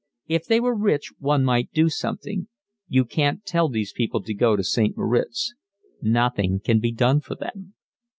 If they were rich one might do something. You can't tell these people to go to St. Moritz. Nothing can be done for them."